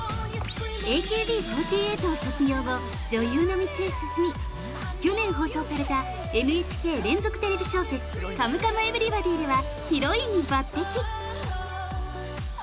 ◆ＡＫＢ４８を卒業後女優の道へ進み、去年、放送されたＮＨＫ連続テレビ小説「カムカムエヴリバディ」ではヒロインに抜てき！